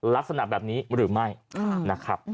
ลักษณะแบบนี้หรือไม่นะครับ